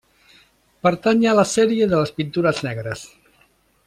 Pertany a la sèrie de les Pintures Negres.